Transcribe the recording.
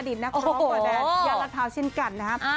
อดิตนักครอบครัวและยาละเท้าเช่นกันนะครับ